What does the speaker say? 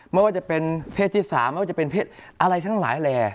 ไม่ว่าจะเป็นเพศที่๓ไม่ว่าจะเป็นเพศอะไรทั้งหลายแหล่